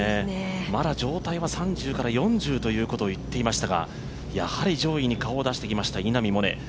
まだ状態は３０から４０ということを言っていましたがやはり上位に顔を出してきました、稲見萌寧。